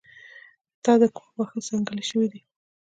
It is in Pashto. د تا د کور واښه ځنګلي شوي دي